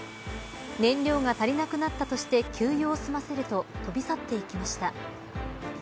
燃料が足りなくなったとして給油を済ませると飛び去っていきました。